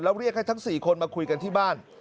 แล้วเรียกให้ทั้ง๔คนมาคุยกันที่บ้าน